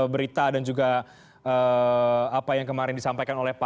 berita dan juga apa yang kemarin disampaikan oleh pak